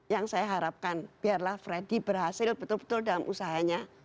yang saya harapkan biarlah freddy berhasil betul betul dalam usahanya